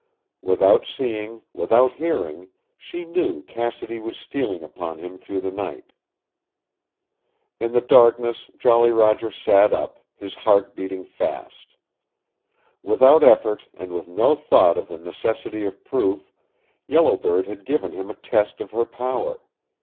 Without seeing, without hearing, she knew Cassidy was stealing upon him through the night. In the darkness Jolly Roger sat up, his heart beating fast. Without effort, and with no thought of the necessity of proof, Yellow Bird had given him a test of her power.